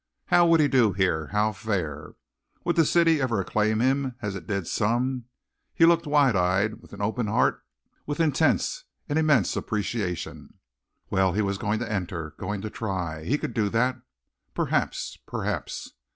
How would he do here how fare? Would the city ever acclaim him as it did some? He looked wide eyed, with an open heart, with intense and immense appreciation. Well, he was going to enter, going to try. He could do that perhaps, perhaps.